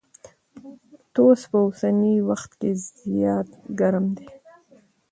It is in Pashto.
توس په اوسني وخت کي زيات ګرم دی.